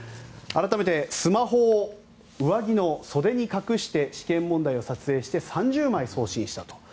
改めてスマホを上着の袖に隠して試験問題を撮影して３０枚送信したと。